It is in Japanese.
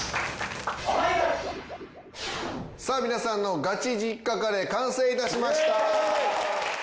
さあ皆さんのガチ実家カレー完成致しました。